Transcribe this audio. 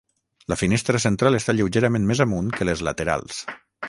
La finestra central està lleugerament més amunt que les laterals.